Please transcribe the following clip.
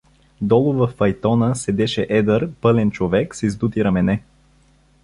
Долу във файтона седеше едър, пълен човек с издути рамене.